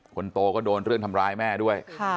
คนโตก็โดนเรื่องทำร้ายแม่ด้วย